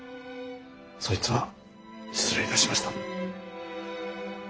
そいつは失礼いたしました。